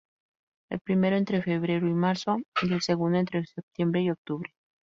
El primero entre febrero y marzo y el segundo entre setiembre y octubre.